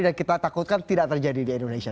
dan kita takutkan tidak terjadi di indonesia